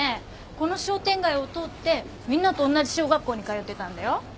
この商店街を通ってみんなとおんなじ小学校に通ってたんだよ。